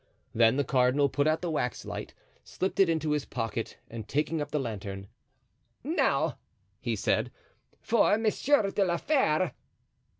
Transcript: Then the cardinal put out the waxlight, slipped it into his pocket, and taking up the lantern: "Now," he said, "for Monsieur de la Fere."